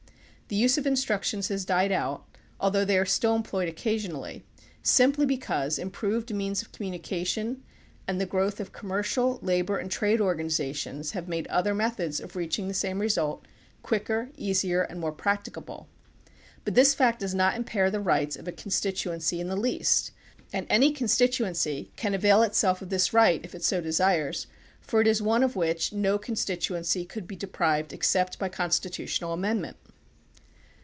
The use of instructions has died out, although they are still employed occasionally, simply because improved means of communication and the growth of commercial, labor, and trade or ganizations have made other methods of reaching the same result quicker, easier, and more practicable. But this fact does not impair the rights of a constituency in the least, and any constituency can avail itself of this right if it so desires, for it is one of which no con stituency could be deprived except by constitutional amendment.